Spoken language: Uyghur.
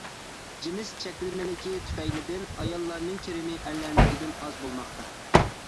جىنس چەكلىمىلىكى تۈپەيلىدىن، ئاياللارنىڭ كىرىمى ئەرلەرنىڭكىدىن ئاز بولماقتا.